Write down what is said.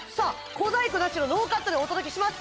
小細工なしのノーカットでお届けします